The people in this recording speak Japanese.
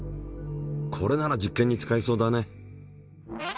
これなら実験に使えそうだね。